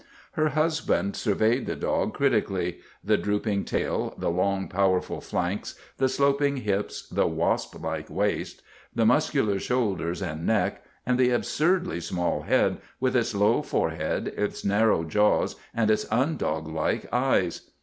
Her husband surveyed the dog critically the drooping tail, the long, powerful flanks, the sloping hips, the wasp like waist, the muscular shoulders and neck, and the absurdly small head, with its low forehead, its narrow jaws, and its un doglike eyes.